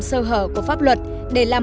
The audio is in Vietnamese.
sơ hở của pháp luật để làm